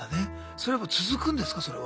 それは続くんですかそれは。